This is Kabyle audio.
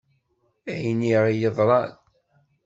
Ayen i ɣ-yeḍṛan.